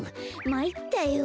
まいったよ。